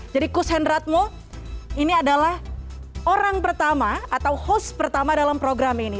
jadi kusendrat mo ini adalah orang pertama atau host pertama dalam program ini